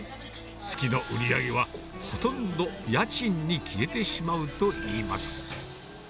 月の売り上げはほとんど家賃に消えてしまうといいます。